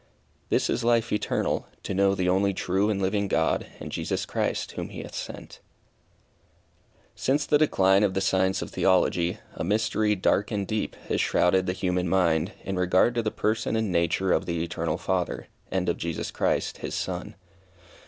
"This is life eternal: to know the only true and living God, and Jesus Christ whom he hath sent." Since the decline of the science of Theology, a mystery, dark and deep, has shrouded the human mind, in regard to the person and nature of the Eternal Father, and of Jesus Christ, His son.